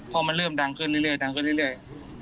พอมันเริ่มดังขึ้นเรื่อย